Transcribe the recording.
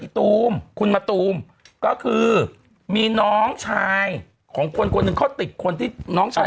ตูมคุณมะตูมก็คือมีน้องชายของคนคนหนึ่งเขาติดคนที่น้องชาย